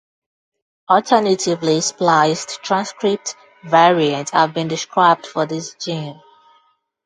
Alternatively spliced transcript variants have been described for this gene.